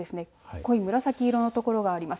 濃い紫色の所があります。